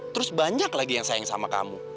terus banyak lagi yang sayang sama kamu